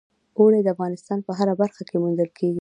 اوړي د افغانستان په هره برخه کې موندل کېږي.